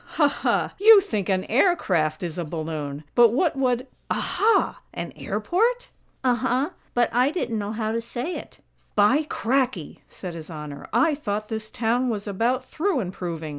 Ha, ha! You think an air craft is a balloon! But what would Aha! An airport?" "Uh huh; but I didn't know how to say it." "By cracky!" said His Honor. "I thought this town was about through improving.